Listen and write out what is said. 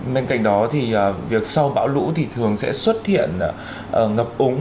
bên cạnh đó thì việc sau bão lũ thì thường sẽ xuất hiện ngập úng